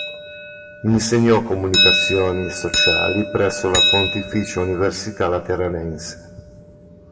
Insegnò Comunicazioni sociali presso la Pontificia università lateranense.